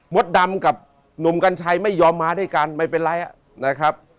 ดำกับหนุ่มกัญชัยไม่ยอมมาด้วยกันไม่เป็นไรนะครับ